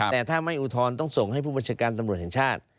แต่ถ้าไม่อุทธรณ์ต้องส่งให้ผู้บัญชาการตำรวจแห่งชาติ